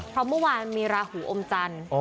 เพราะเมื่อวานมันมีราหูอมจันทร์